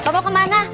loh bapak mau ke mana